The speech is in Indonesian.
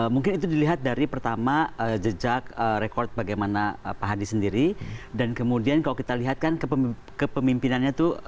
mungkin itu dilihat dari pertama jejaknya